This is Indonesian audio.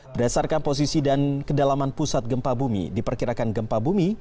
berdasarkan posisi dan kedalaman pusat gempa bumi diperkirakan gempa bumi